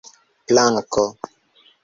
planko